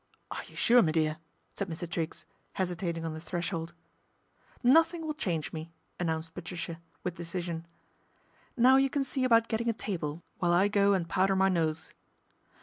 " Are you sure, me dear ?" said Mr. Triggs, hesitating on the threshold. " Nothing will change me," announced Patricia, with decision. " Now you can see about getting a table while I go and powder my nose."